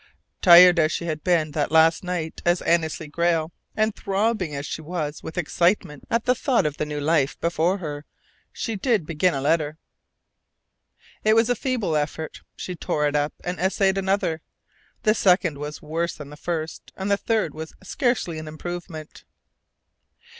Tired as she had been that last night as Annesley Grayle, and throbbing as she was with excitement at the thought of the new life before her, she did begin a letter. It was a feeble effort. She tore it up and essayed another. The second was worse than the first, and the third was scarcely an improvement.